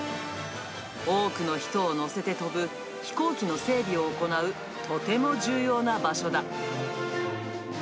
多くの人を乗せて飛ぶ飛行機の整備を行うとても重要な場所だ。